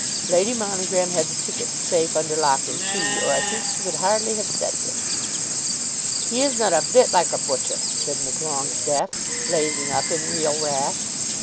Lady Monogram had the tickets safe under lock and key, or I think she would hardly have said this. "He is not a bit like a butcher," said Miss Longestaffe, blazing up in real wrath.